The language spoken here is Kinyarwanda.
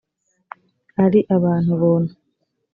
ari abantu buntu